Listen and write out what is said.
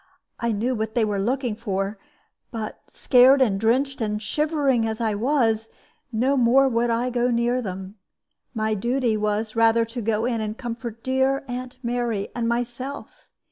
I knew what they were looking for, but, scared and drenched and shivering as I was, no more would I go near them. My duty was rather to go in and comfort dear Aunt Mary and myself.